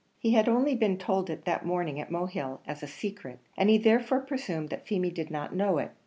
He had only been told it that morning at Mohill, as a secret, and he therefore presumed that Feemy did not know it.